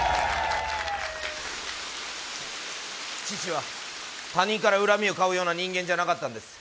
父は他人から恨みを買うような人間じゃなかったです。